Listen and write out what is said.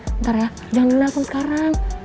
bentar ya jangan denger nelfon sekarang